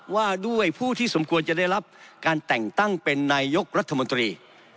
ว่าด้วยผู้ที่สมควรจะได้รับการแต่งตั้งเป็นนายกรัฐมนตรี